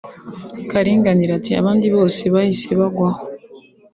Karinganire ati “ abandi bose bahise bagwa aho